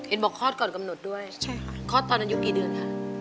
เอ็นบอกคลอดก่อนกำหนดด้วยใช่ค่ะคลอดตอนนั้นยุคกี่เดือนค่ะ